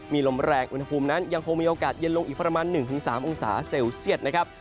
มีลมแรงอุณหภูมินั้นยังคงมีโอกาสเย็นลงอีกประมาณ๑๓องศาเซลเซียตนะครับ